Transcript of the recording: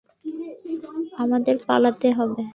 আমাদের পালাতে হবে।